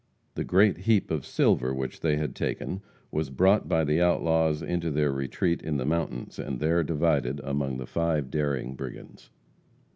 The great heap of silver which they had taken was brought by the outlaws into their retreat in the mountains, and there divided among the five daring brigands.